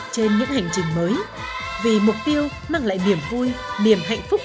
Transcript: trên những hành trình mới vì mục tiêu mang lại niềm vui niềm hạnh phúc